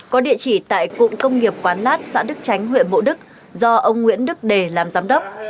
có địa chỉ tại cụng công nghiệp quán lát xã đức tránh huyện bộ đức do ông nguyễn đức đề làm giám đốc